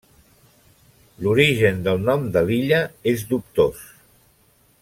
L'origen del nom de l'illa és dubtós.